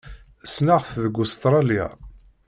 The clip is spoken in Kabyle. Ssneɣ-t deg Ustṛalya.